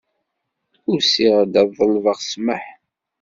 Usiɣ-d ad ḍelbeɣ ssmaḥ.